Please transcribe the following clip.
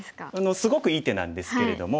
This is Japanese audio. すごくいい手なんですけれども。